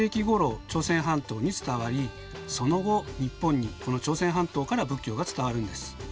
朝鮮半島に伝わりその後日本にこの朝鮮半島から仏教が伝わるんです。